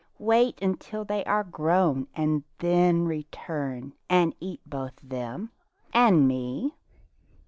Wait until they are grown and then return and eat both them and me."